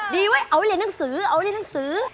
ดีไว้เอาเวลาเรียนหนังสือ